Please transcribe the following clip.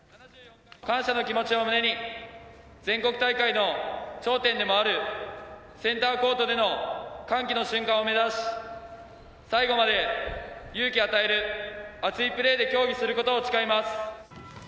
感謝の気持ちを胸に、全国大会の頂点でもあるセンターコートでの歓喜の瞬間を目指し、最後まで勇気を与える熱いプレーで競技することを誓います。